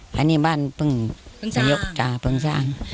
ไม่มีบ้านแต่ติดปันซาประเภท